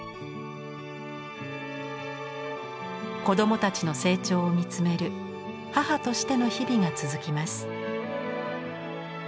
子どもたちの成長を見つめる母としての日々が続きます。